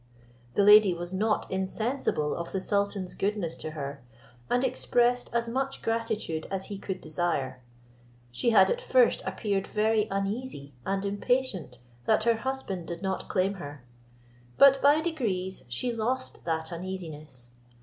The lady was not insensible of the sultan's goodness to her, and expressed as much gratitude as he could desire. She had at first appeared very uneasy and impatient that her husband did not claim her; but by degrees she lost that uneasiness.